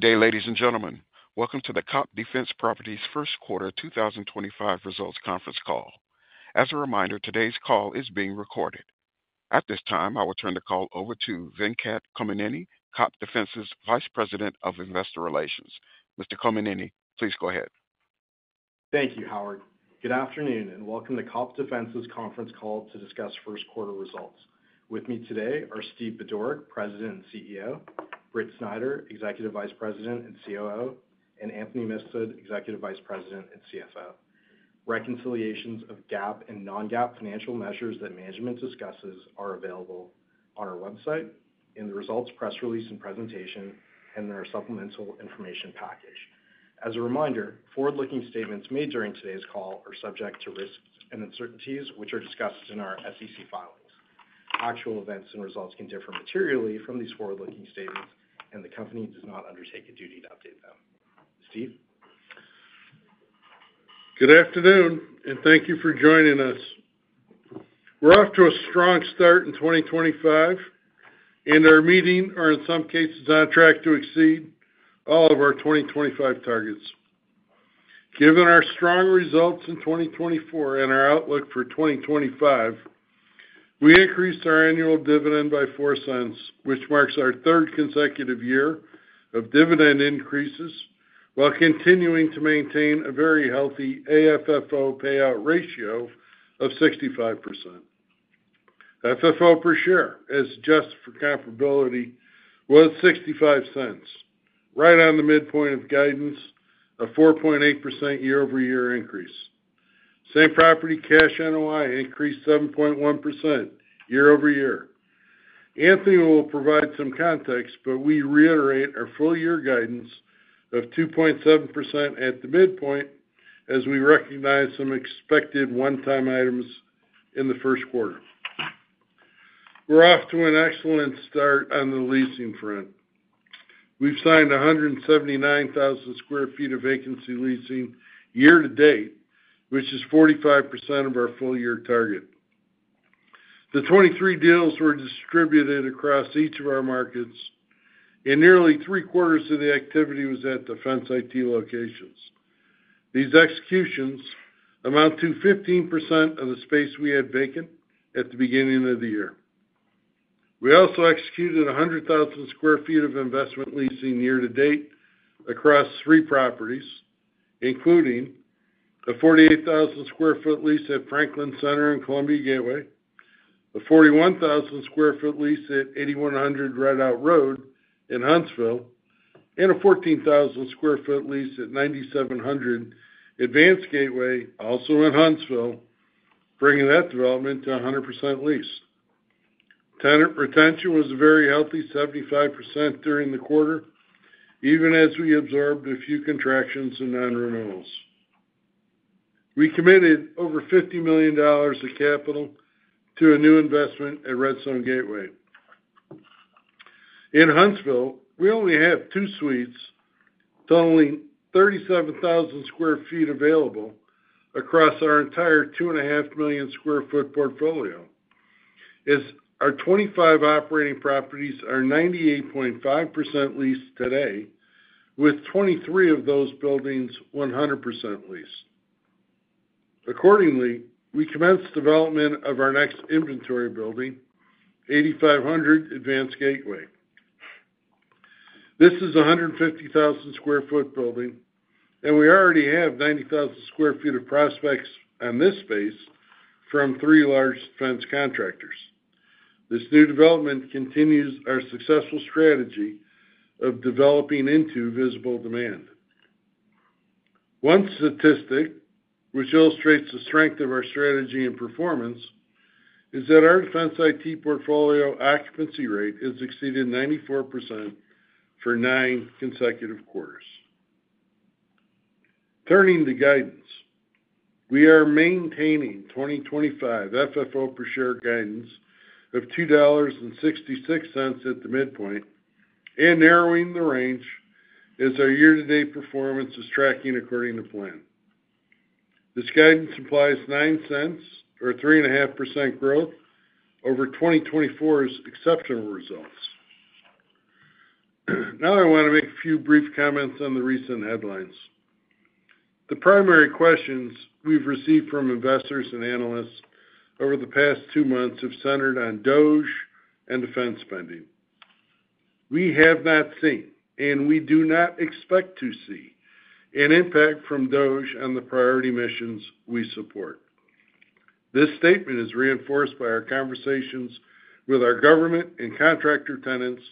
Good day, ladies and gentlemen. Welcome to the COPT Defense Properties first quarter 2025 results conference call. As a reminder, today's call is being recorded. At this time, I will turn the call over to Venkat Kommineni, COPT Defense's Vice President of Investor Relations. Mr. Kommineni, please go ahead. Thank you, Howard. Good afternoon, and welcome to COPT Defense Properties' conference call to discuss first quarter results. With me today are Steve Budorick, President and CEO; Britt Snider, Executive Vice President and COO; and Anthony Mifsud, Executive Vice President and CFO. Reconciliations of GAAP and non-GAAP financial measures that management discusses are available on our website, in the results press release and presentation, and in our supplemental information package. As a reminder, forward-looking statements made during today's call are subject to risks and uncertainties, which are discussed in our SEC filings. Actual events and results can differ materially from these forward-looking statements, and the company does not undertake a duty to update them. Steve? Good afternoon, and thank you for joining us. We're off to a strong start in 2025, and our metrics are in some cases, on track to exceed all of our 2025 targets. Given our strong results in 2024 and our outlook for 2025, we increased our annual dividend by four cents, which marks our third consecutive year of dividend increases while continuing to maintain a very healthy AFFO payout ratio of 65%. FFO per share, as adjusted for comparability, was $0.65, right on the midpoint of guidance, a 4.8% year-over-year increase. Same property, cash NOI increased 7.1% year-over-year. Anthony will provide some context, but we reiterate our full-year guidance of 2.7% at the midpoint, as we recognize some expected one-time items in the first quarter. We're off to an excellent start on the leasing front. We've signed 179,000 sq ft of vacancy leasing year to date, which is 45% of our full-year target. The 23 deals were distributed across each of our markets, and nearly three-quarters of the activity was at Defense IT locations. These executions amount to 15% of the space we had vacant at the beginning of the year. We also executed 100,000 sq ft of investment leasing year to date across three properties, including a 48,000 sq ft lease at Franklin Center and Columbia Gateway, a 41,000 sq ft lease at 8100 Rideout Road in Huntsville, and a 14,000 sq ft lease at 9700 Redstone Gateway, also in Huntsville, bringing that development to 100% lease. Tenant retention was a very healthy 75% during the quarter, even as we absorbed a few contractions and non-renewals. We committed over $50 million of capital to a new investment at Redstone Gateway. In Huntsville, we only have two suites, totaling 37,000 sq ft available across our entire 2.5 million sq ft portfolio. Our 25 operating properties are 98.5% leased today, with 23 of those buildings 100% leased. Accordingly, we commenced development of our next inventory building, 8500 Redstone Gateway. This is a 150,000 sq ft building, and we already have 90,000 sq ft of prospects on this space from three large defense contractors. This new development continues our successful strategy of developing into visible demand. One statistic, which illustrates the strength of our strategy and performance, is that our Defense IT portfolio occupancy rate has exceeded 94% for nine consecutive quarters. Turning to guidance, we are maintaining 2025 FFO per share guidance of $2.66 at the midpoint and narrowing the range as our year-to-date performance is tracking according to plan. This guidance implies $0.09 or 3.5% growth over 2024's exceptional results. Now, I want to make a few brief comments on the recent headlines. The primary questions we've received from investors and analysts over the past two months have centered on DOGE and defense spending. We have not seen, and we do not expect to see, an impact from DOGE on the priority missions we support. This statement is reinforced by our conversations with our government and contractor tenants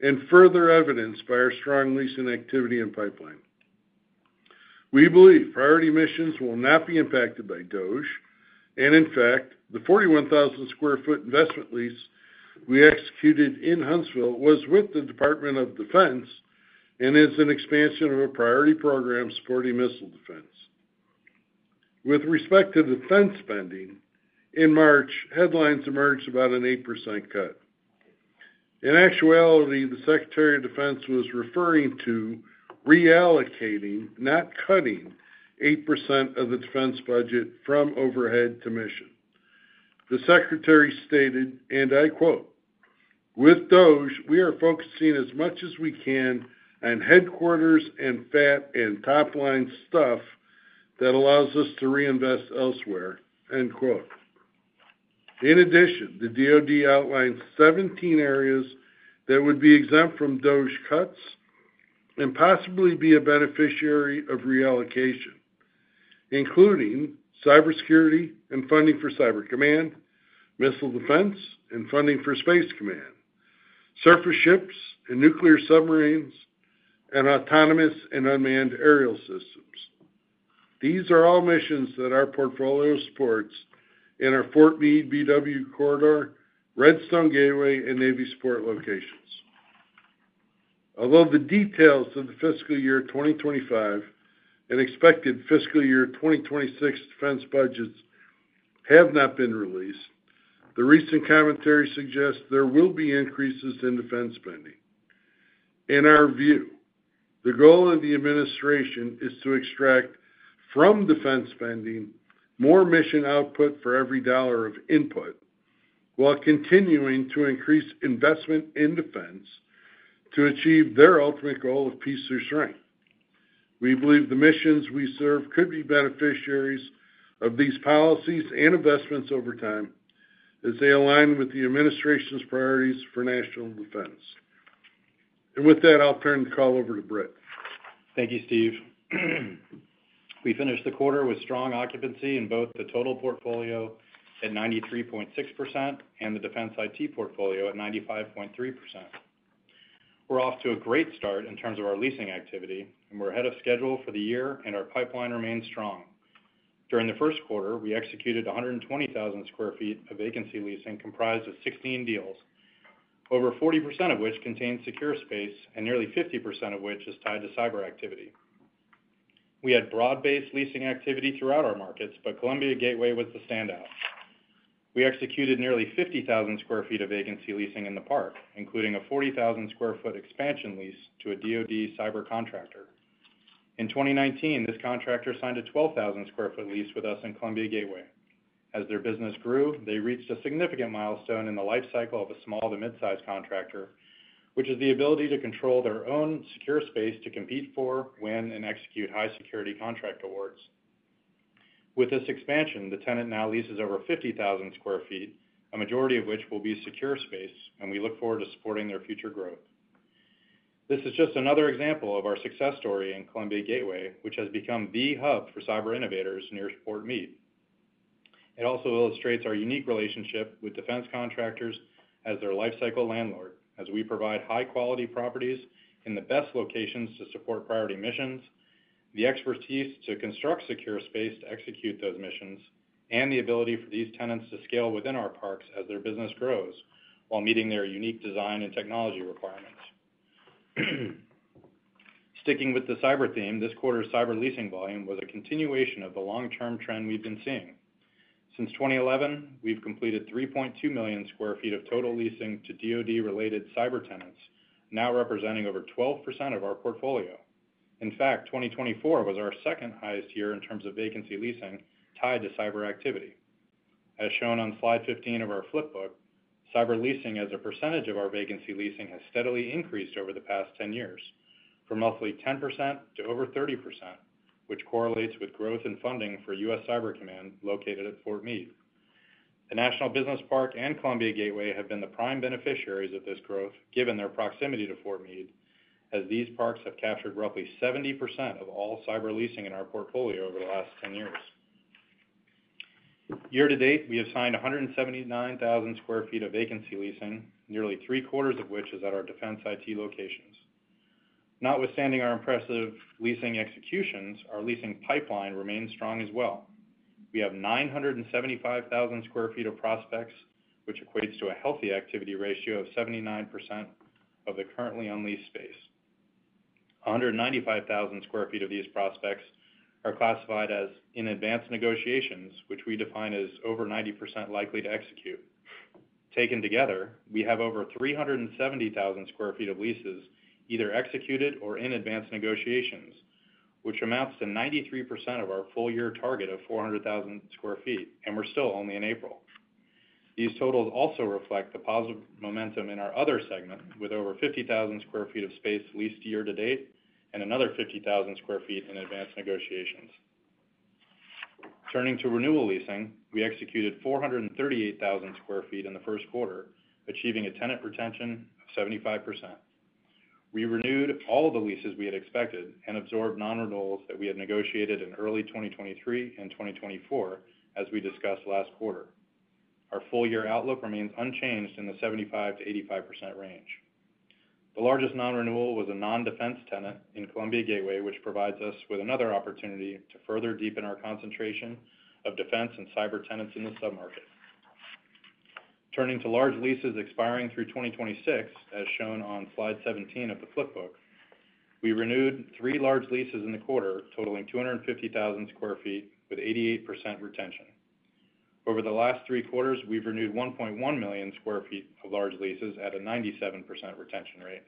and further evidenced by our strong leasing activity and pipeline. We believe priority missions will not be impacted by DOGE, and in fact, the 41,000 sq ft investment lease we executed in Huntsville was with the Department of Defense and is an expansion of a priority program supporting missile defense. With respect to defense spending, in March, headlines emerged about an 8% cut. In actuality, the Secretary of Defense was referring to reallocating, not cutting, 8% of the defense budget from overhead to mission. The Secretary stated, and I quote, "With DOGE, we are focusing as much as we can on headquarters and fat and top-line stuff that allows us to reinvest elsewhere." In addition, the DOD outlined 17 areas that would be exempt from DOGE cuts and possibly be a beneficiary of reallocation, including cybersecurity and funding for Cyber Command, missile defense, and funding for Space Command, surface ships and nuclear submarines, and autonomous and unmanned aerial systems. These are all missions that our portfolio supports in our Fort Meade/BWI corridor, Redstone Gateway, and Navy support locations. Although the details of the fiscal year 2025 and expected fiscal year 2026 defense budgets have not been released, the recent commentary suggests there will be increases in defense spending. In our view, the goal of the administration is to extract from defense spending more mission output for every dollar of input while continuing to increase investment in defense to achieve their ultimate goal of peace through strength. We believe the missions we serve could be beneficiaries of these policies and investments over time as they align with the administration's priorities for national defense. With that, I'll turn the call over to Britt. Thank you, Steve. We finished the quarter with strong occupancy in both the total portfolio at 93.6% and the Defense IT portfolio at 95.3%. We're off to a great start in terms of our leasing activity, and we're ahead of schedule for the year, and our pipeline remains strong. During the first quarter, we executed 120,000 sq ft of vacancy leasing comprised of 16 deals, over 40% of which contained secure space, and nearly 50% of which is tied to cyber activity. We had broad-based leasing activity throughout our markets, but Columbia Gateway was the standout. We executed nearly 50,000 sq ft of vacancy leasing in the park, including a 40,000 sq ft expansion lease to a DOD cyber contractor. In 2019, this contractor signed a 12,000 sq ft lease with us in Columbia Gateway. As their business grew, they reached a significant milestone in the lifecycle of a small to mid-size contractor, which is the ability to control their own secure space to compete for, win, and execute high-security contract awards. With this expansion, the tenant now leases over 50,000 sq ft, a majority of which will be secure space, and we look forward to supporting their future growth. This is just another example of our success story in Columbia Gateway, which has become the hub for cyber innovators near Fort Meade. It also illustrates our unique relationship with defense contractors as their lifecycle landlord, as we provide high-quality properties in the best locations to support priority missions, the expertise to construct secure space to execute those missions, and the ability for these tenants to scale within our parks as their business grows while meeting their unique design and technology requirements. Sticking with the cyber theme, this quarter's cyber leasing volume was a continuation of the long-term trend we've been seeing. Since 2011, we've completed 3.2 million sq ft of total leasing to DOD-related cyber tenants, now representing over 12% of our portfolio. In fact, 2024 was our second highest year in terms of vacancy leasing tied to cyber activity. As shown on slide 15 of our flipbook, cyber leasing as a percentage of our vacancy leasing has steadily increased over the past 10 years, from roughly 10% to over 30%, which correlates with growth in funding for U.S. Cyber Command located at Fort Meade. The National Business Park and Columbia Gateway have been the prime beneficiaries of this growth, given their proximity to Fort Meade, as these parks have captured roughly 70% of all cyber leasing in our portfolio over the last 10 years. Year to date, we have signed 179,000 sq ft of vacancy leasing, nearly three-quarters of which is at our Defense IT locations. Notwithstanding our impressive leasing executions, our leasing pipeline remains strong as well. We have 975,000 sq ft of prospects, which equates to a healthy activity ratio of 79% of the currently unleased space. 195,000 sq ft of these prospects are classified as in advanced negotiations, which we define as over 90% likely to execute. Taken together, we have over 370,000 sq ft of leases either executed or in advanced negotiations, which amounts to 93% of our full-year target of 400,000 sq ft, and we're still only in April. These totals also reflect the positive momentum in our other segment, with over 50,000 sq ft of space leased year to date and another 50,000 sq ft in advanced negotiations. Turning to renewal leasing, we executed 438,000 sq ft in the first quarter, achieving a tenant retention of 75%. We renewed all the leases we had expected and absorbed non-renewals that we had negotiated in early 2023 and 2024, as we discussed last quarter. Our full-year outlook remains unchanged in the 75%-85% range. The largest non-renewal was a non-defense tenant in Columbia Gateway, which provides us with another opportunity to further deepen our concentration of defense and cyber tenants in the submarket. Turning to large leases expiring through 2026, as shown on slide 17 of the flipbook, we renewed three large leases in the quarter, totaling 250,000 sq ft with 88% retention. Over the last three quarters, we've renewed 1.1 million sq ft of large leases at a 97% retention rate.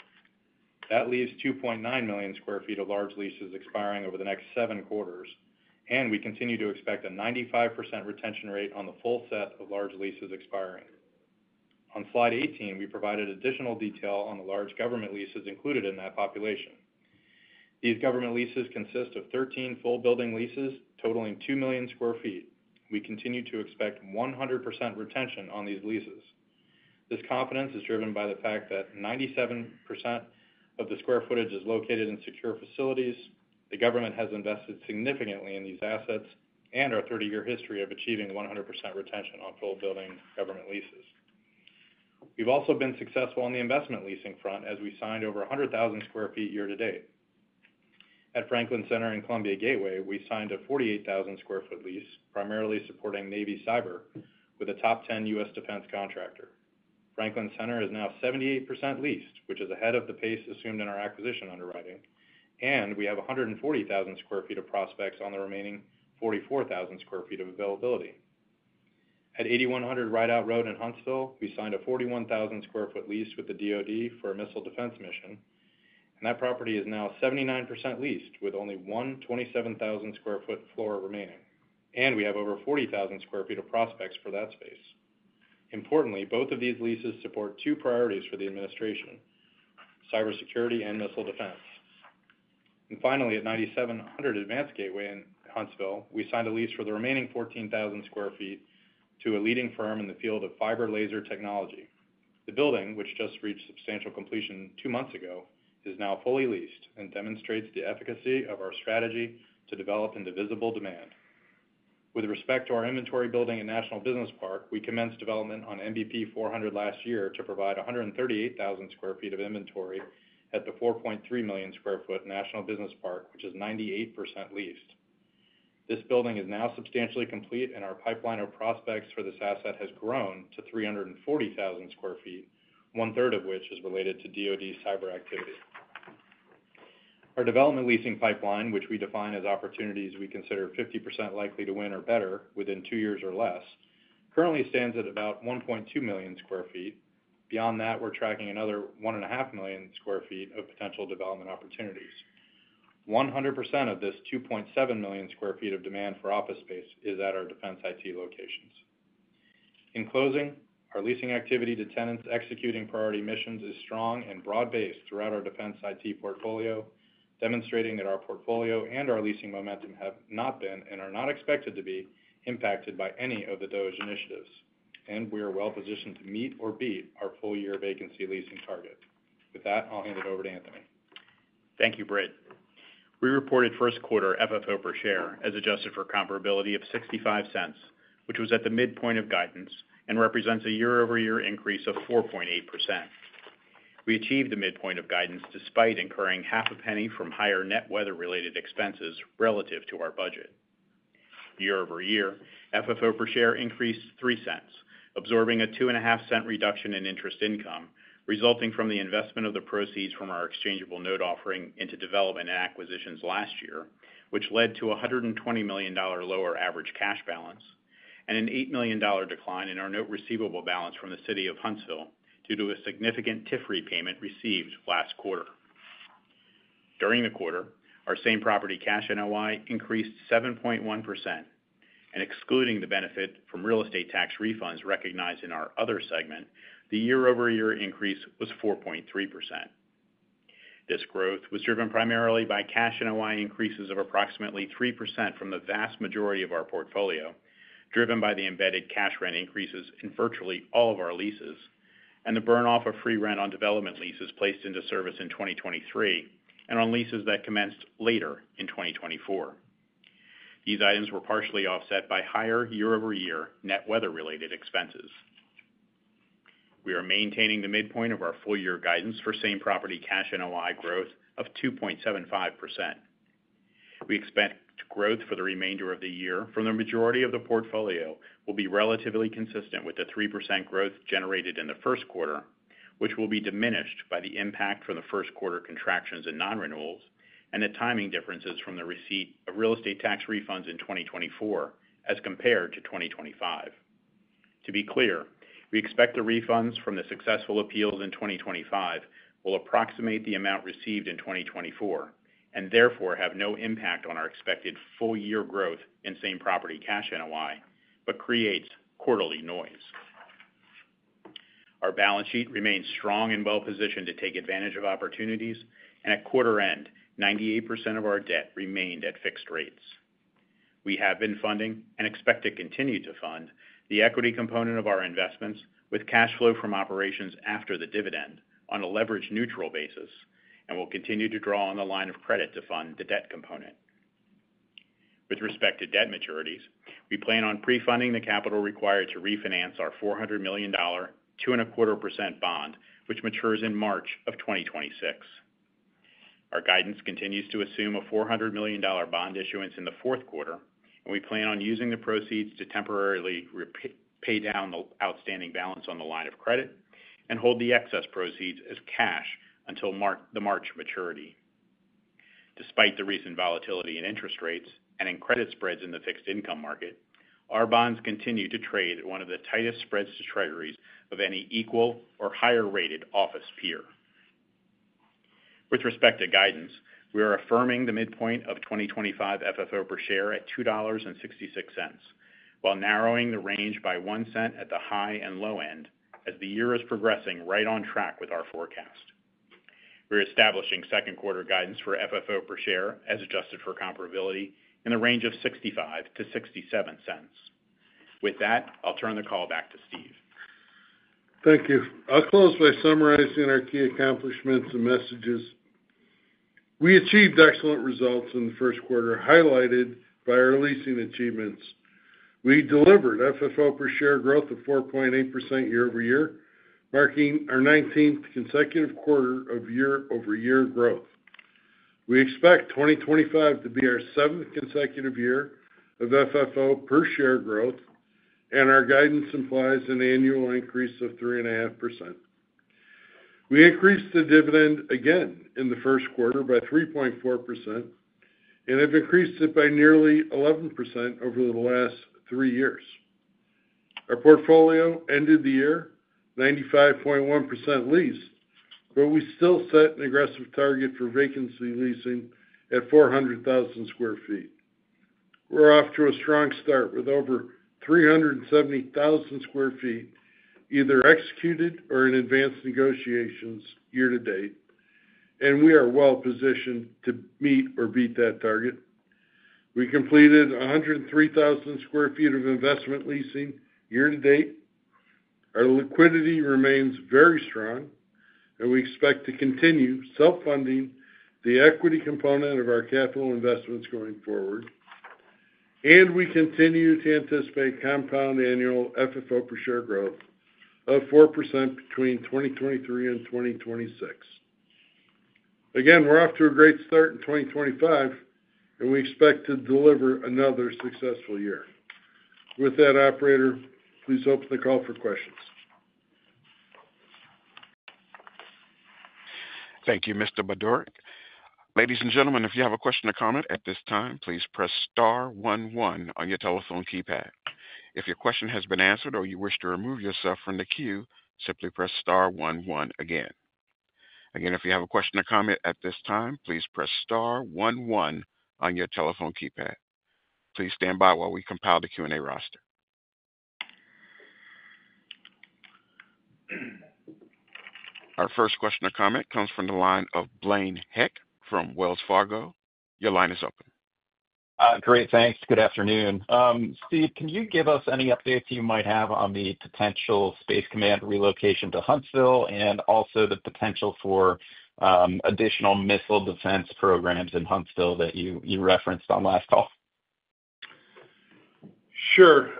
That leaves 2.9 million sq ft of large leases expiring over the next seven quarters, and we continue to expect a 95% retention rate on the full set of large leases expiring. On Slide 18, we provided additional detail on the large government leases included in that population. These government leases consist of 13 full-building leases totaling 2 million sq ft. We continue to expect 100% retention on these leases. This confidence is driven by the fact that 97% of the sq ft is located in secure facilities. The government has invested significantly in these assets and our 30-year history of achieving 100% retention on full-building government leases. We've also been successful on the investment leasing front as we signed over 100,000 sq ft year to date. At Franklin Center and Columbia Gateway, we signed a 48,000 sq ft lease, primarily supporting Navy cyber with a top 10 U.S. Defense contractor. Franklin Center is now 78% leased, which is ahead of the pace assumed in our acquisition underwriting, and we have 140,000 sq ft of prospects on the remaining 44,000 sq ft of availability. At 8100 Rideout Road in Huntsville, we signed a 41,000 sq ft lease with the DoD for a missile defense mission, and that property is now 79% leased with only one 27,000 sq ft floor remaining, and we have over 40,000 sq ft of prospects for that space. Importantly, both of these leases support two priorities for the administration: cybersecurity and missile defense. Finally, at 9700 Redstone Gateway in Huntsville, we signed a lease for the remaining 14,000 sq ft to a leading firm in the field of fiber laser technology. The building, which just reached substantial completion two months ago, is now fully leased and demonstrates the efficacy of our strategy to develop into visible demand. With respect to our inventory building in National Business Park, we commenced development on NBP 400 last year to provide 138,000 sq ft of inventory at the 4.3 million sq ft National Business Park, which is 98% leased. This building is now substantially complete, and our pipeline of prospects for this asset has grown to 340,000 sq ft, one-third of which is related to DOD cyber activity. Our development leasing pipeline, which we define as opportunities we consider 50% likely to win or better within two years or less, currently stands at about 1.2 million sq ft. Beyond that, we're tracking another 1.5 million sq ft of potential development opportunities. 100% of this 2.7 million sq ft of demand for office space is at our Defense IT locations. In closing, our leasing activity to tenants executing priority missions is strong and broad-based throughout our Defense IT portfolio, demonstrating that our portfolio and our leasing momentum have not been and are not expected to be impacted by any of the DOGE initiatives, and we are well-positioned to meet or beat our full-year vacancy leasing target. With that, I'll hand it over to Anthony. Thank you, Britt. We reported first quarter FFO per share as adjusted for comparability of $0.65, which was at the midpoint of guidance and represents a year-over-year increase of 4.8%. We achieved the midpoint of guidance despite incurring $0.005 from higher net weather-related expenses relative to our budget. Year-over-year, FFO per share increased $0.03, absorbing a $0.025 reduction in interest income resulting from the investment of the proceeds from our exchangeable note offering into development and acquisitions last year, which led to a $120 million lower average cash balance and an $8 million decline in our note receivable balance from the City of Huntsville due to a significant TIF repayment received last quarter. During the quarter, our same property cash NOI increased 7.1%, and excluding the benefit from real estate tax refunds recognized in our other segment, the year-over-year increase was 4.3%. This growth was driven primarily by cash NOI increases of approximately 3% from the vast majority of our portfolio, driven by the embedded cash rent increases in virtually all of our leases, and the burn-off of free rent on development leases placed into service in 2023 and on leases that commenced later in 2024. These items were partially offset by higher year-over-year net weather-related expenses. We are maintaining the midpoint of our full-year guidance for same property cash NOI growth of 2.75%. We expect growth for the remainder of the year from the majority of the portfolio will be relatively consistent with the 3% growth generated in the first quarter, which will be diminished by the impact from the first quarter contractions and non-renewals and the timing differences from the receipt of real estate tax refunds in 2024 as compared to 2025. To be clear, we expect the refunds from the successful appeals in 2025 will approximate the amount received in 2024 and therefore have no impact on our expected full-year growth in same property cash NOI, but creates quarterly noise. Our balance sheet remains strong and well-positioned to take advantage of opportunities, and at quarter end, 98% of our debt remained at fixed rates. We have been funding and expect to continue to fund the equity component of our investments with cash flow from operations after the dividend on a leveraged neutral basis and will continue to draw on the line of credit to fund the debt component. With respect to debt maturities, we plan on pre-funding the capital required to refinance our $400 million 2.25% bond, which matures in March of 2026. Our guidance continues to assume a $400 million bond issuance in the fourth quarter, and we plan on using the proceeds to temporarily pay down the outstanding balance on the line of credit and hold the excess proceeds as cash until the March maturity. Despite the recent volatility in interest rates and in credit spreads in the fixed income market, our bonds continue to trade at one of the tightest spreads to treasuries of any equal or higher-rated office peer. With respect to guidance, we are affirming the midpoint of 2025 FFO per share at $2.66 while narrowing the range by 1 cent at the high and low end as the year is progressing right on track with our forecast. We are establishing second quarter guidance for FFO per share as adjusted for comparability in the range of $0.65-$0.67. With that, I'll turn the call back to Steve. Thank you. I'll close by summarizing our key accomplishments and messages. We achieved excellent results in the first quarter, highlighted by our leasing achievements. We delivered FFO per share growth of 4.8% year-over-year, marking our 19th consecutive quarter of year-over-year growth. We expect 2025 to be our seventh consecutive year of FFO per share growth, and our guidance implies an annual increase of 3.5%. We increased the dividend again in the first quarter by 3.4% and have increased it by nearly 11% over the last three years. Our portfolio ended the year 95.1% leased, but we still set an aggressive target for vacancy leasing at 400,000 sq ft. We're off to a strong start with over 370,000 sq ft either executed or in advanced negotiations year to date, and we are well-positioned to meet or beat that target. We completed 103,000 sq ft of investment leasing year to date. Our liquidity remains very strong, and we expect to continue self-funding the equity component of our capital investments going forward, and we continue to anticipate compound annual FFO per share growth of 4% between 2023 and 2026. Again, we're off to a great start in 2025, and we expect to deliver another successful year. With that, Operator, please open the call for questions. Thank you, Mr. Budorick. Ladies and gentlemen, if you have a question or comment at this time, please press star one one on your telephone keypad. If your question has been answered or you wish to remove yourself from the queue, simply press star one one again. Again, if you have a question or comment at this time, please press star one one on your telephone keypad. Please stand by while we compile the Q&A roster. Our first question or comment comes from the line of Blaine Heck from Wells Fargo. Your line is open. Great. Thanks. Good afternoon. Steve, can you give us any updates you might have on the potential Space Command relocation to Huntsville and also the potential for additional missile defense programs in Huntsville that you referenced on last call? Sure.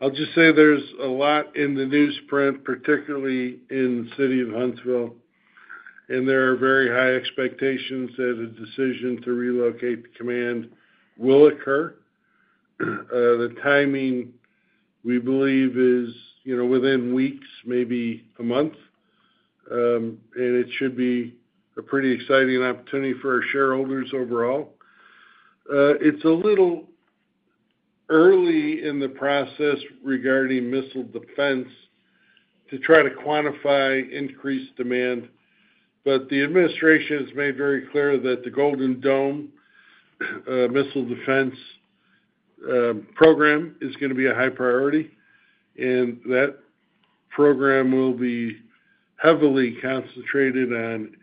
I'll just say there's a lot in the newsprint, particularly in the City of Huntsville, and there are very high expectations that a decision to relocate the command will occur. The timing, we believe, is within weeks, maybe a month, and it should be a pretty exciting opportunity for our shareholders overall. It's a little early in the process regarding missile defense to try to quantify increased demand, but the administration has made very clear that the Golden Dome missile defense program is going to be a high priority, and that program will be heavily concentrated on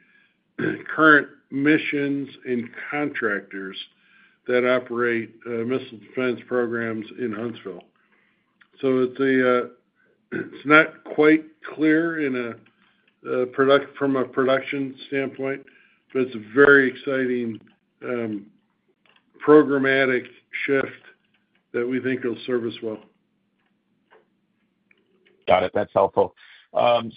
current missions and contractors that operate missile defense programs in Huntsville. It's not quite clear from a production standpoint, but it's a very exciting programmatic shift that we think will serve us well. Got it. That's helpful.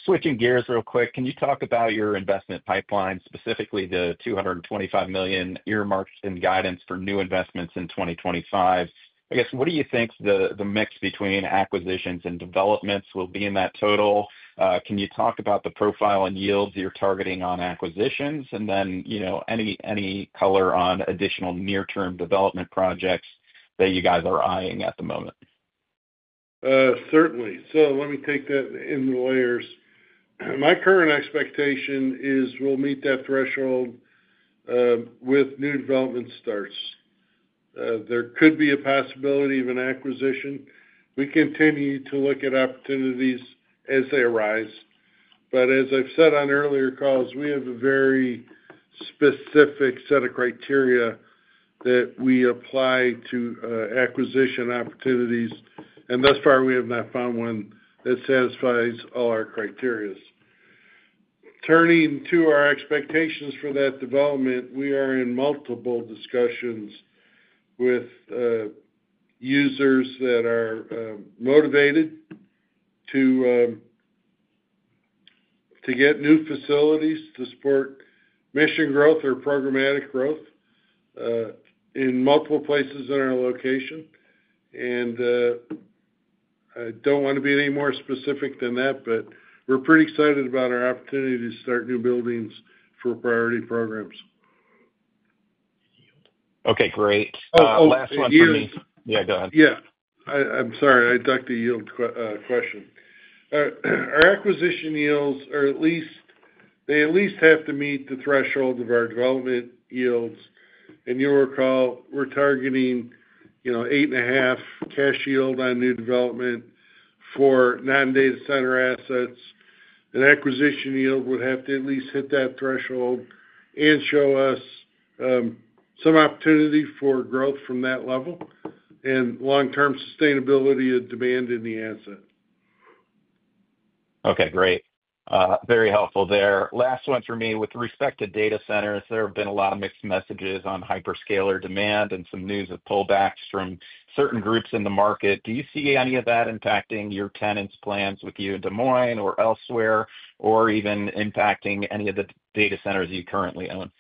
Switching gears real quick, can you talk about your investment pipeline, specifically the $225 million earmarked in guidance for new investments in 2025? I guess, what do you think the mix between acquisitions and developments will be in that total? Can you talk about the profile and yields you're targeting on acquisitions and then any color on additional near-term development projects that you guys are eyeing at the moment? Certainly. Let me take that in layers. My current expectation is we'll meet that threshold with new development starts. There could be a possibility of an acquisition. We continue to look at opportunities as they arise. As I've said on earlier calls, we have a very specific set of criteria that we apply to acquisition opportunities, and thus far, we have not found one that satisfies all our criteria. Turning to our expectations for that development, we are in multiple discussions with users that are motivated to get new facilities to support mission growth or programmatic growth in multiple places in our location. I don't want to be any more specific than that, but we're pretty excited about our opportunity to start new buildings for priority programs. Okay. Great. Last one for me. Yeah. Go ahead. Yeah. I'm sorry. I ducked a yield question. Our acquisition yields are at least they at least have to meet the threshold of our development yields. You'll recall we're targeting 8.5% cash yield on new development for non-data center assets. An acquisition yield would have to at least hit that threshold and show us some opportunity for growth from that level and long-term sustainability of demand in the asset. Okay. Great. Very helpful there. Last one for me. With respect to data centers, there have been a lot of mixed messages on hyperscaler demand and some news of pullbacks from certain groups in the market. Do you see any of that impacting your tenants' plans with you in Des Moines or elsewhere or even impacting any of the data centers you currently own?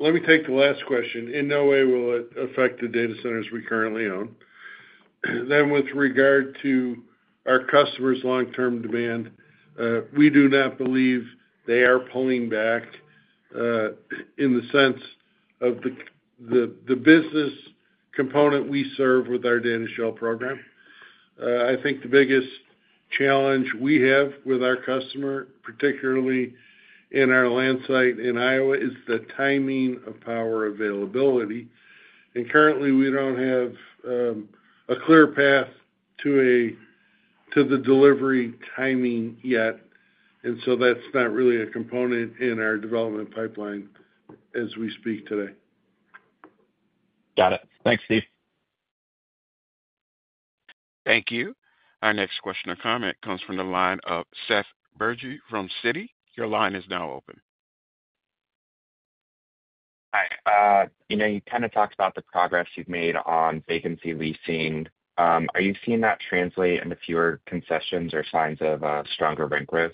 Let me take the last question. In no way will it affect the data centers we currently own. With regard to our customers' long-term demand, we do not believe they are pulling back in the sense of the business component we serve with our data shell program. I think the biggest challenge we have with our customer, particularly in our land site in Iowa, is the timing of power availability. Currently, we do not have a clear path to the delivery timing yet, and that is not really a component in our development pipeline as we speak today. Got it. Thanks, Steve. Thank you. Our next question or comment comes from the line of Seth Bergey from Citi. Your line is now open. Hi. You kind of talked about the progress you've made on vacancy leasing. Are you seeing that translate into fewer concessions or signs of stronger rent growth?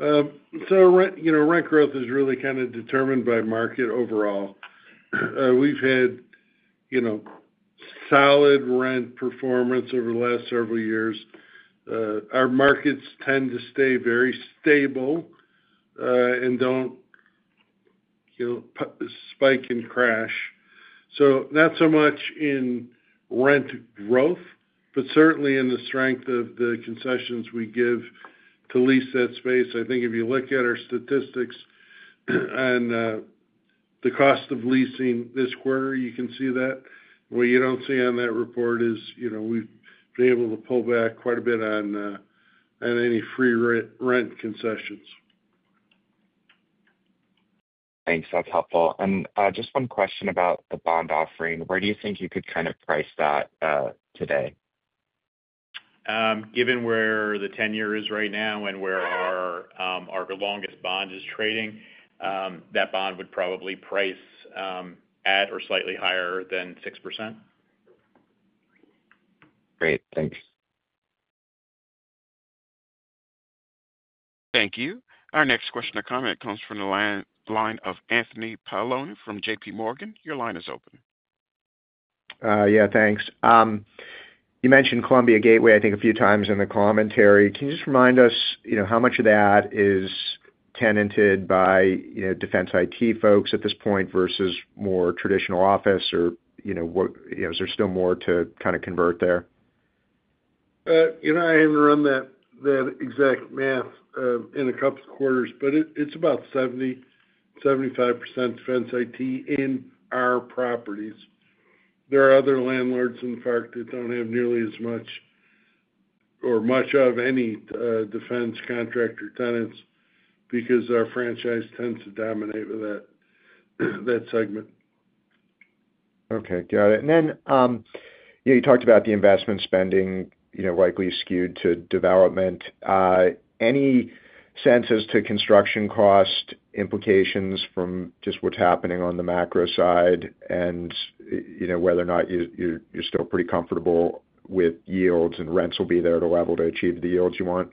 Rent growth is really kind of determined by market overall. We've had solid rent performance over the last several years. Our markets tend to stay very stable and don't spike and crash. Not so much in rent growth, but certainly in the strength of the concessions we give to lease that space. I think if you look at our statistics on the cost of leasing this quarter, you can see that. What you don't see on that report is we've been able to pull back quite a bit on any free rent concessions. Thanks. That's helpful. Just one question about the bond offering. Where do you think you could kind of price that today? Given where the tenure is right now and where our longest bond is trading, that bond would probably price at or slightly higher than 6%. Great. Thanks. Thank you. Our next question or comment comes from the line of Anthony Paolone from JPMorgan. Your line is open. Yeah. Thanks. You mentioned Columbia Gateway, I think, a few times in the commentary. Can you just remind us how much of that is tenanted by defense IT folks at this point versus more traditional office? Or is there still more to kind of convert there? I haven't run that exact math in a couple of quarters, but it's about 70-75% defense IT in our properties. There are other landlords, in fact, that don't have nearly as much or much of any defense contractor tenants because our franchise tends to dominate that segment. Okay. Got it. You talked about the investment spending likely skewed to development. Any sense as to construction cost implications from just what is happening on the macro side and whether or not you are still pretty comfortable with yields and rents will be there at a level to achieve the yields you want?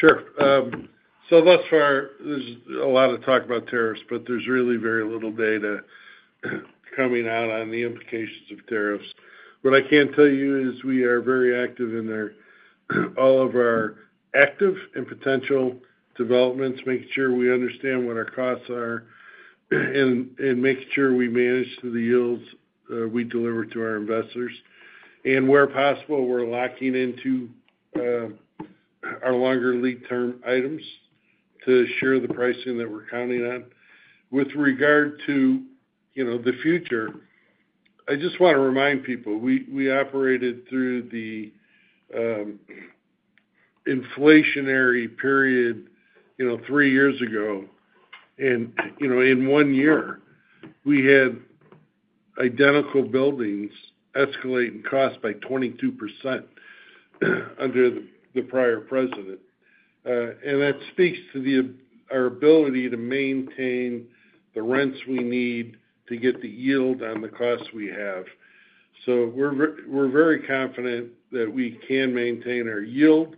Sure. Thus far, there's a lot of talk about tariffs, but there's really very little data coming out on the implications of tariffs. What I can tell you is we are very active in all of our active and potential developments, making sure we understand what our costs are and making sure we manage the yields we deliver to our investors. Where possible, we're locking into our longer lead term items to assure the pricing that we're counting on. With regard to the future, I just want to remind people we operated through the inflationary period three years ago, and in one year, we had identical buildings escalate in cost by 22% under the prior president. That speaks to our ability to maintain the rents we need to get the yield on the costs we have. We're very confident that we can maintain our yield,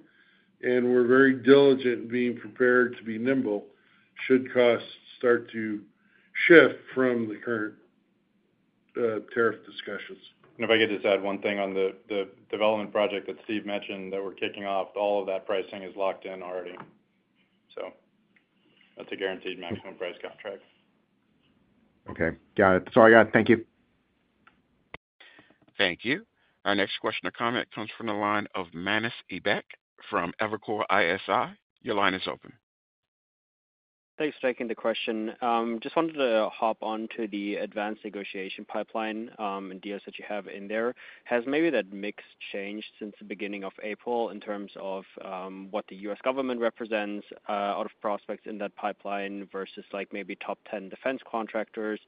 and we're very diligent in being prepared to be nimble should costs start to shift from the current tariff discussions. If I could just add one thing on the development project that Steve mentioned that we're kicking off, all of that pricing is locked in already. That is a guaranteed maximum price contract. Okay. Got it. That's all I got. Thank you. Thank you. Our next question or comment comes from the line of Manus Ebbecke from Evercore ISI. Your line is open. Thanks for taking the question. Just wanted to hop on to the advanced negotiation pipeline and deals that you have in there. Has maybe that mix changed since the beginning of April in terms of what the U.S. government represents out of prospects in that pipeline versus maybe top 10 defense contractors?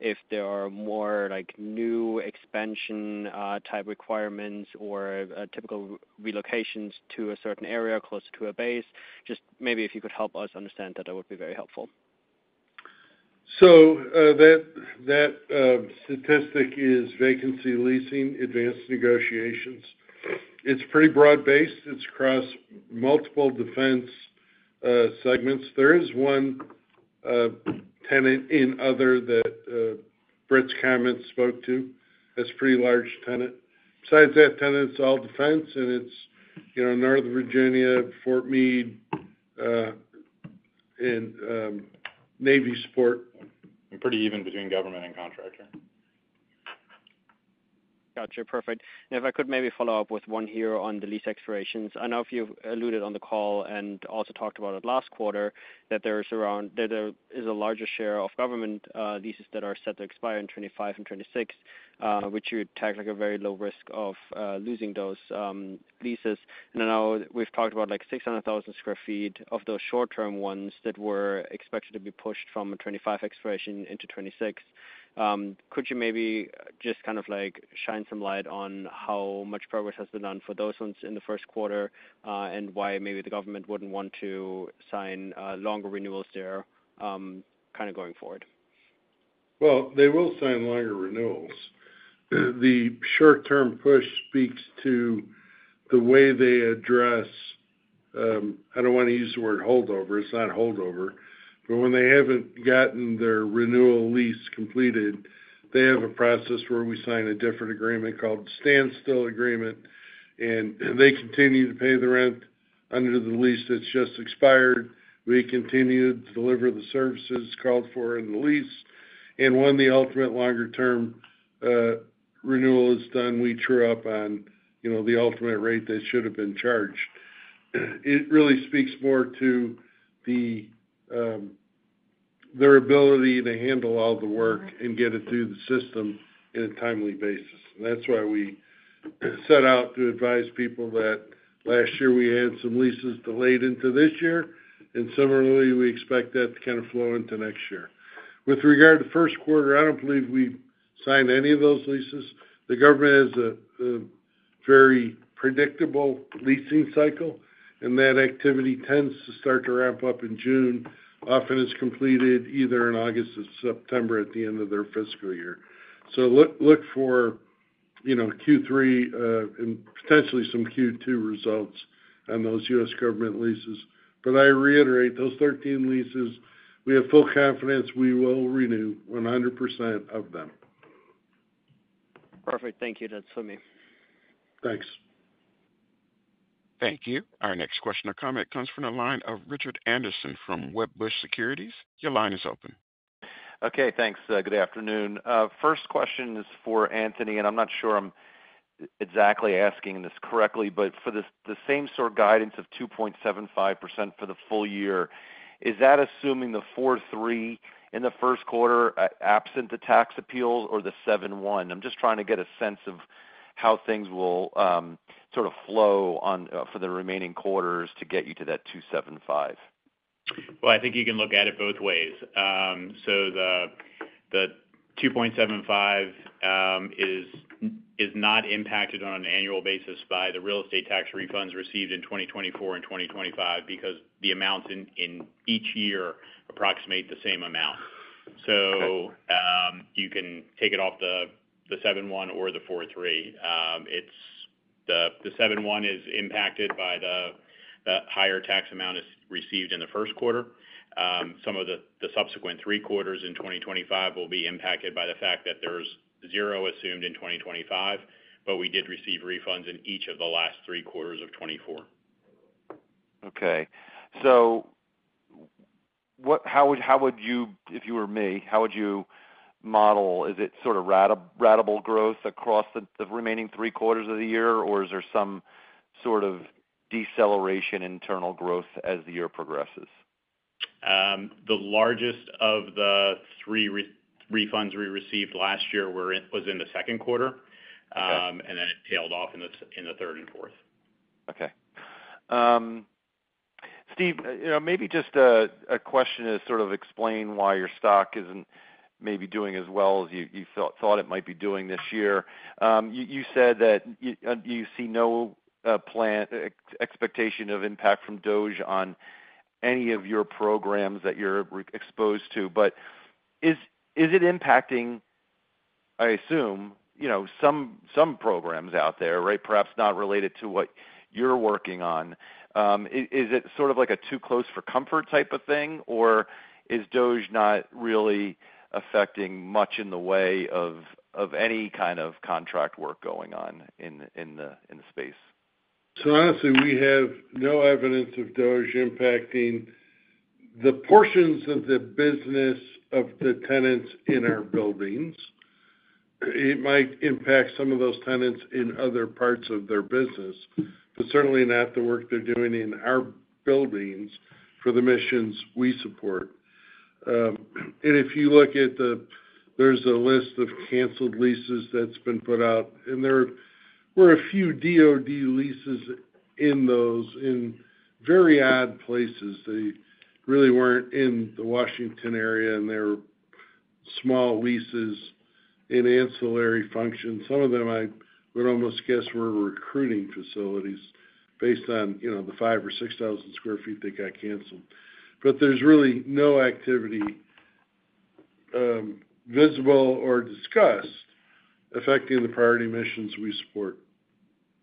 If there are more new expansion-type requirements or typical relocations to a certain area closer to a base, just maybe if you could help us understand that, that would be very helpful. That statistic is vacancy leasing, advanced negotiations. It's pretty broad-based. It's across multiple defense segments. There is one tenant in other that Britt's comment spoke to. That's a pretty large tenant. Besides that tenant, it's all defense, and it's Northern Virginia, Fort Meade, and Navy support. Pretty even between government and contractor. Got you. Perfect. If I could maybe follow up with one here on the lease expirations. I know if you've alluded on the call and also talked about it last quarter that there is a larger share of government leases that are set to expire in 2025 and 2026, which you would tag like a very low risk of losing those leases. I know we've talked about like 600,000 sq ft of those short-term ones that were expected to be pushed from 2025 expiration into 2026. Could you maybe just kind of shine some light on how much progress has been done for those ones in the first quarter and why maybe the government wouldn't want to sign longer renewals there kind of going forward? They will sign longer renewals. The short-term push speaks to the way they address—I do not want to use the word holdover. It is not holdover. When they have not gotten their renewal lease completed, they have a process where we sign a different agreement called the standstill agreement, and they continue to pay the rent under the lease that has just expired. We continue to deliver the services called for in the lease. When the ultimate longer-term renewal is done, we true up on the ultimate rate they should have been charged. It really speaks more to their ability to handle all the work and get it through the system in a timely basis. That is why we set out to advise people that last year we had some leases delayed into this year, and similarly, we expect that to kind of flow into next year. With regard to first quarter, I don't believe we signed any of those leases. The government has a very predictable leasing cycle, and that activity tends to start to ramp up in June, often is completed either in August or September at the end of their fiscal year. Look for Q3 and potentially some Q2 results on those US government leases. I reiterate, those 13 leases, we have full confidence we will renew 100% of them. Perfect. Thank you. That's from me. Thanks. Thank you. Our next question or comment comes from the line of Richard Anderson from Wedbush Securities. Your line is open. Okay. Thanks. Good afternoon. First question is for Anthony, and I'm not sure I'm exactly asking this correctly, but for the same sort of guidance of 2.75% for the full year, is that assuming the 4.3 in the first quarter absent the tax appeals or the 7.1? I'm just trying to get a sense of how things will sort of flow for the remaining quarters to get you to that 2.75%. I think you can look at it both ways. The 2.75% is not impacted on an annual basis by the real estate tax refunds received in 2024 and 2025 because the amounts in each year approximate the same amount. You can take it off the 7.1 or the 4.3. The 7.1 is impacted by the higher tax amount received in the first quarter. Some of the subsequent three quarters in 2025 will be impacted by the fact that there's zero assumed in 2025, but we did receive refunds in each of the last three quarters of 2024. Okay. How would you, if you were me, how would you model? Is it sort of ratable growth across the remaining three quarters of the year, or is there some sort of deceleration internal growth as the year progresses? The largest of the three refunds we received last year was in the second quarter, and then it tailed off in the third and fourth. Okay. Steve, maybe just a question to sort of explain why your stock isn't maybe doing as well as you thought it might be doing this year. You said that you see no expectation of impact from DOGE on any of your programs that you're exposed to, but is it impacting, I assume, some programs out there, right, perhaps not related to what you're working on? Is it sort of like a too close for comfort type of thing, or is DOGE not really affecting much in the way of any kind of contract work going on in the space? Honestly, we have no evidence of DOGE impacting the portions of the business of the tenants in our buildings. It might impact some of those tenants in other parts of their business, but certainly not the work they're doing in our buildings for the missions we support. If you look at the list of canceled leases that's been put out, there were a few DoD leases in those in very odd places. They really were not in the Washington area, and they were small leases in ancillary function. Some of them I would almost guess were recruiting facilities based on the 5,000 or 6,000 sq ft they got canceled. There is really no activity visible or discussed affecting the priority missions we support.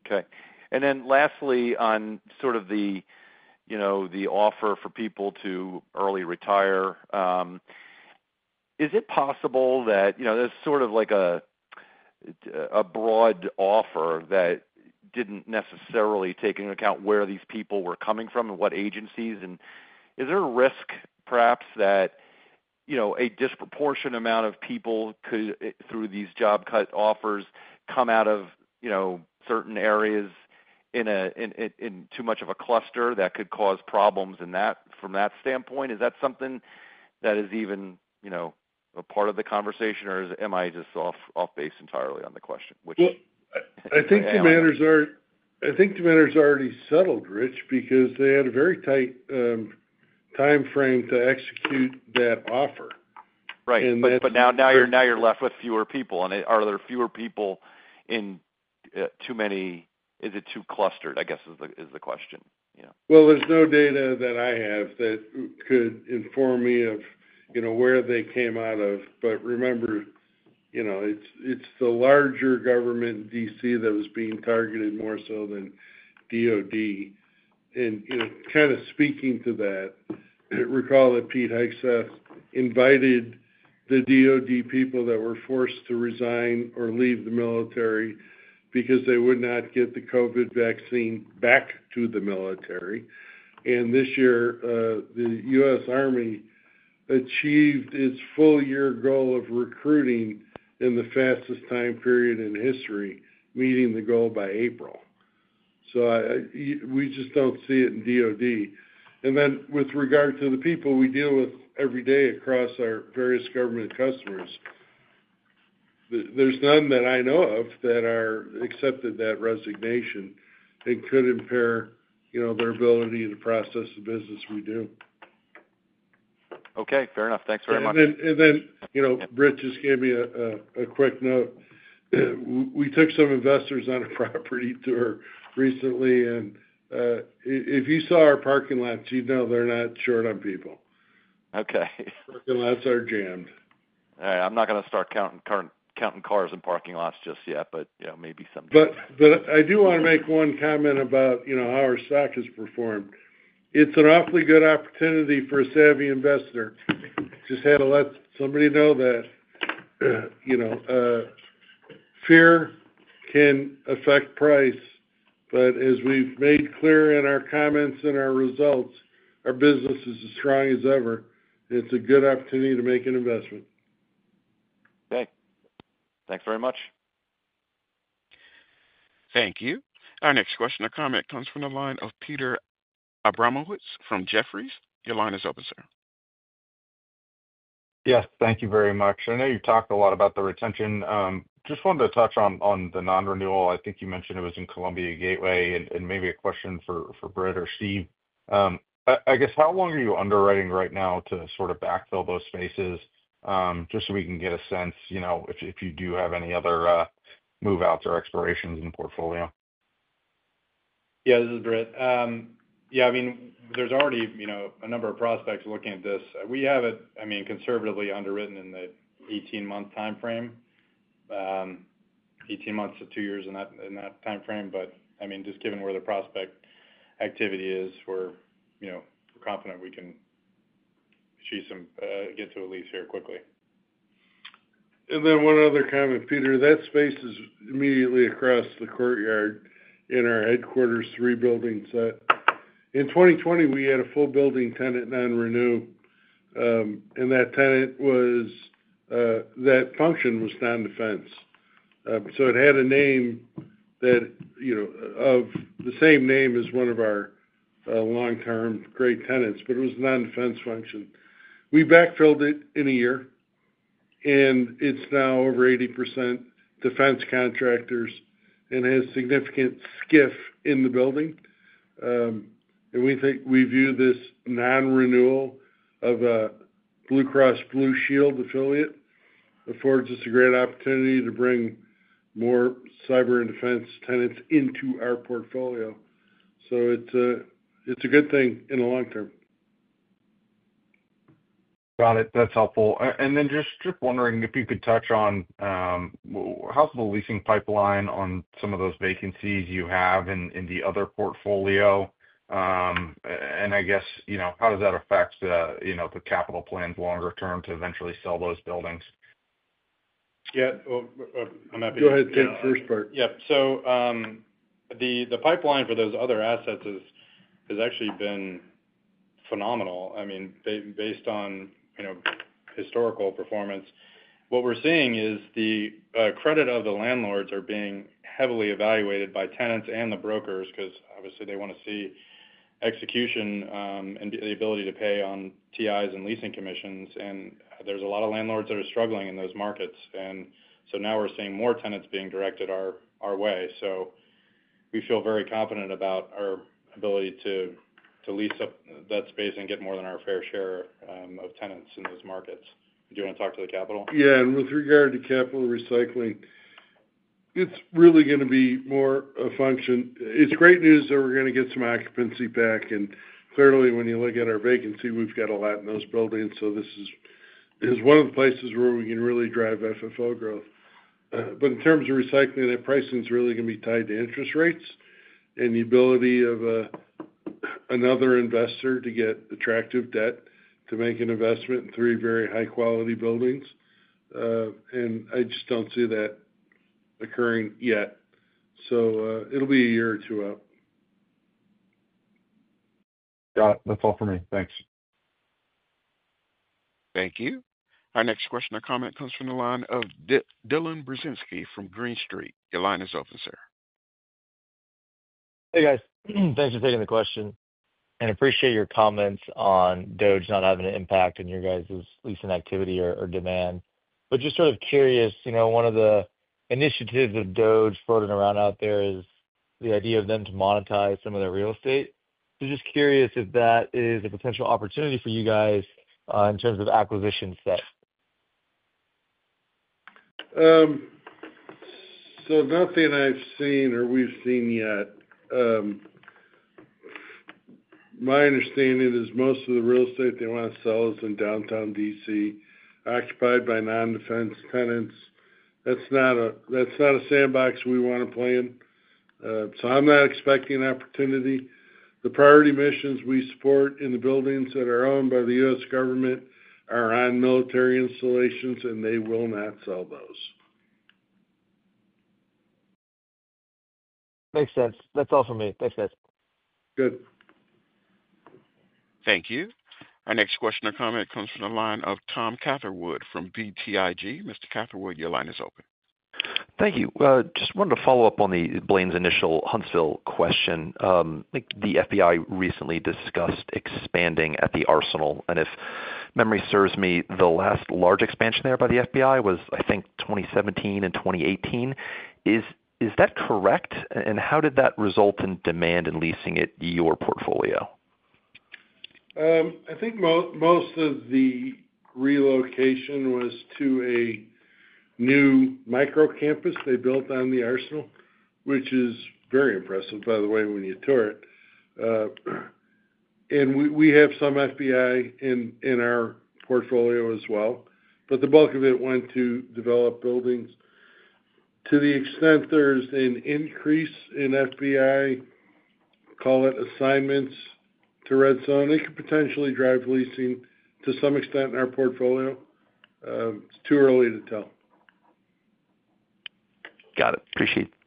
Okay. Lastly, on sort of the offer for people to early retire, is it possible that there's sort of like a broad offer that did not necessarily take into account where these people were coming from and what agencies? Is there a risk perhaps that a disproportionate amount of people could, through these job cut offers, come out of certain areas in too much of a cluster that could cause problems from that standpoint? Is that something that is even a part of the conversation, or am I just off base entirely on the question? I think the matters are already settled, Rich, because they had a very tight timeframe to execute that offer. Right. Now you're left with fewer people, and are there fewer people in too many? Is it too clustered, I guess, is the question? There is no data that I have that could inform me of where they came out of. Remember, it is the larger government in Washington, DC that was being targeted more so than DOD. Kind of speaking to that, recall that Pete Hegseth invited the DOD people that were forced to resign or leave the military because they would not get the COVID vaccine back to the military. This year, the US Army achieved its full-year goal of recruiting in the fastest time period in history, meeting the goal by April. We just do not see it in DOD. With regard to the people we deal with every day across our various government customers, there are none that I know of that accepted that resignation and could impair their ability to process the business we do. Okay. Fair enough. Thanks very much. Brett just gave me a quick note. We took some investors on a property tour recently, and if you saw our parking lots, you'd know they're not short on people. Okay. Parking lots are jammed. All right. I'm not going to start counting cars in parking lots just yet, but maybe someday. I do want to make one comment about how our stock has performed. It is an awfully good opportunity for a savvy investor. I just had to let somebody know that fear can affect price. As we have made clear in our comments and our results, our business is as strong as ever. It is a good opportunity to make an investment. Okay. Thanks very much. Thank you. Our next question or comment comes from the line of Peter Abramowitz from Jefferies. Your line is open, sir. Yes. Thank you very much. I know you talked a lot about the retention. Just wanted to touch on the non-renewal. I think you mentioned it was in Columbia Gateway, and maybe a question for Britt or Steve. I guess, how long are you underwriting right now to sort of backfill those spaces just so we can get a sense if you do have any other move-outs or expirations in the portfolio? Yeah. This is Britt. Yeah. I mean, there's already a number of prospects looking at this. We have it, I mean, conservatively underwritten in the 18-month timeframe, 18 months to two years in that timeframe. I mean, just given where the prospect activity is, we're confident we can get to a lease here quickly. One other comment, Peter. That space is immediately across the courtyard in our headquarters three building set. In 2020, we had a full building tenant non-renew, and that function was non-defense. It had a name of the same name as one of our long-term great tenants, but it was a non-defense function. We backfilled it in a year, and it is now over 80% defense contractors and has significant SCIF in the building. We view this non-renewal of a Blue Cross Blue Shield affiliate affords us a great opportunity to bring more cyber and defense tenants into our portfolio. It is a good thing in the long term. Got it. That's helpful. Just wondering if you could touch on how's the leasing pipeline on some of those vacancies you have in the other portfolio? I guess, how does that affect the capital plans longer term to eventually sell those buildings? Yeah. I'm happy to. Go ahead. Take the first part. Yeah. The pipeline for those other assets has actually been phenomenal. I mean, based on historical performance, what we're seeing is the credit of the landlords are being heavily evaluated by tenants and the brokers because, obviously, they want to see execution and the ability to pay on TIs and leasing commissions. There are a lot of landlords that are struggling in those markets. Now we're seeing more tenants being directed our way. We feel very confident about our ability to lease up that space and get more than our fair share of tenants in those markets. Do you want to talk to the capital? Yeah. With regard to capital recycling, it's really going to be more a function. It's great news that we're going to get some occupancy back. Clearly, when you look at our vacancy, we've got a lot in those buildings. This is one of the places where we can really drive FFO growth. In terms of recycling, that pricing is really going to be tied to interest rates and the ability of another investor to get attractive debt to make an investment in three very high-quality buildings. I just don't see that occurring yet. It'll be a year or two out. Got it. That's all for me. Thanks. Thank you. Our next question or comment comes from the line of Dylan Burzinski from Green Street. Your line is open, sir. Hey, guys. Thanks for taking the question. I appreciate your comments on DOGE not having an impact on your guys' leasing activity or demand. Just sort of curious, one of the initiatives of DOGE floating around out there is the idea of them to monetize some of their real estate. Just curious if that is a potential opportunity for you guys in terms of acquisition set. Nothing I've seen or we've seen yet. My understanding is most of the real estate they want to sell is in downtown Washington, DC, occupied by non-defense tenants. That's not a sandbox we want to play in. I'm not expecting an opportunity. The priority missions we support in the buildings that are owned by the U.S. government are on military installations, and they will not sell those. Makes sense. That's all for me. Thanks, guys. Good. Thank you. Our next question or comment comes from the line of Tom Catherwood from BTIG. Mr. Catherwood, your line is open. Thank you. Just wanted to follow up on Blaine's initial Huntsville question. The FBI recently discussed expanding at the Arsenal. If memory serves me, the last large expansion there by the FBI was, I think, 2017 and 2018. Is that correct? How did that result in demand and leasing in your portfolio? I think most of the relocation was to a new micro-campus they built on the Arsenal, which is very impressive, by the way, when you tour it. We have some FBI in our portfolio as well. The bulk of it went to develop buildings. To the extent there's an increase in FBI, call it assignments, to Redstone, it could potentially drive leasing to some extent in our portfolio. It's too early to tell. Got it.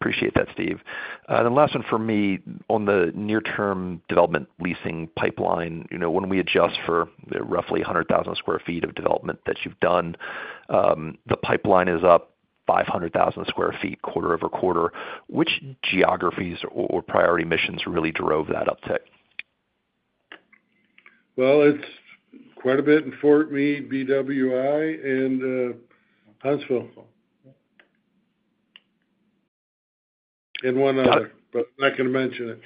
Appreciate that, Steve. The last one for me on the near-term development leasing pipeline. When we adjust for roughly 100,000 sq ft of development that you've done, the pipeline is up 500,000 sq ft, quarter over quarter. Which geographies or priority missions really drove that uptick? It's quite a bit in Fort Meade, BWI, and Huntsville. And one other, but I'm not going to mention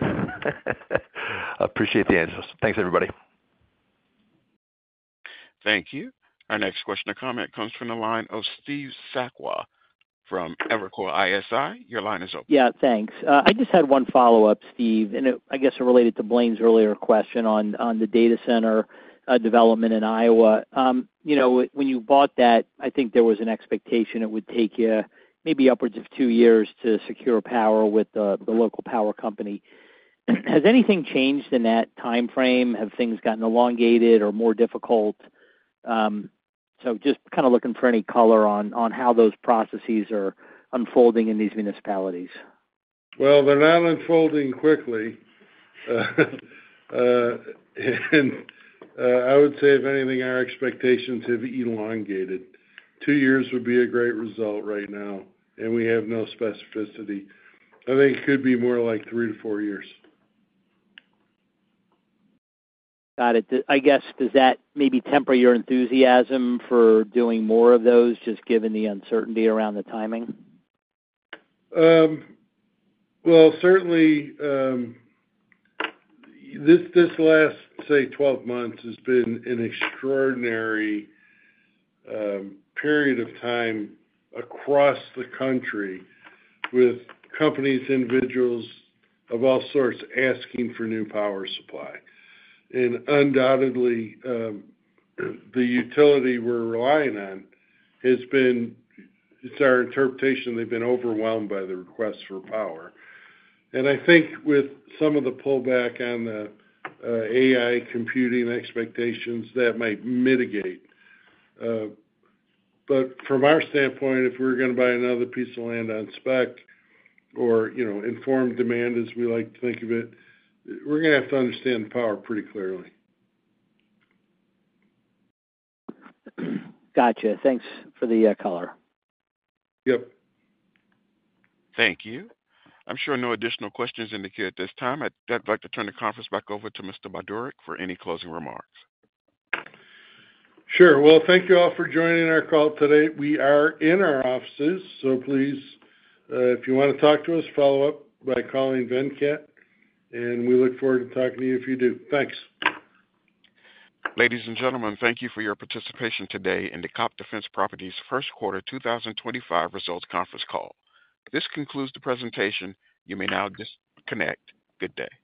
it. Appreciate the answers. Thanks, everybody. Thank you. Our next question or comment comes from the line of Steve Sakwa from Evercore ISI. Your line is open. Yeah. Thanks. I just had one follow-up, Steve, and I guess related to Blaine's earlier question on the data center development in Iowa. When you bought that, I think there was an expectation it would take you maybe upwards of two years to secure power with the local power company. Has anything changed in that timeframe? Have things gotten elongated or more difficult? Just kind of looking for any color on how those processes are unfolding in these municipalities. They are not unfolding quickly. I would say, if anything, our expectations have elongated. Two years would be a great result right now, and we have no specificity. I think it could be more like three to four years. Got it. I guess, does that maybe temper your enthusiasm for doing more of those, just given the uncertainty around the timing? Certainly, this last, say, 12 months has been an extraordinary period of time across the country with companies, individuals of all sorts asking for new power supply. Undoubtedly, the utility we're relying on has been, it's our interpretation, they've been overwhelmed by the request for power. I think with some of the pullback on the AI computing expectations, that might mitigate. From our standpoint, if we're going to buy another piece of land on spec or informed demand, as we like to think of it, we're going to have to understand power pretty clearly. Gotcha. Thanks for the color. Yep. Thank you. I'm sure no additional questions indicated at this time. I'd like to turn the conference back over to Mr. Budorick for any closing remarks. Sure. Thank you all for joining our call today. We are in our offices, so please, if you want to talk to us, follow up by calling Venkat. We look forward to talking to you if you do. Thanks. Ladies and gentlemen, thank you for your participation today in the COPT Defense Properties First Quarter 2025 Results Conference Call. This concludes the presentation. You may now disconnect. Good day.